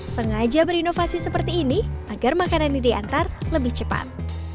sengaja berinovasi seperti ini agar makanan ini diantar lebih cepat